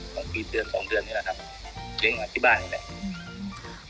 บางทีเดือนสองเดือนนี่แหละครับเลี้ยงมาที่บ้านนี่แหละอืม